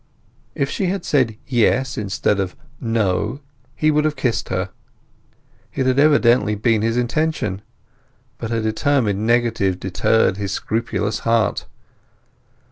If she had said "Yes" instead of "No" he would have kissed her; it had evidently been his intention; but her determined negative deterred his scrupulous heart.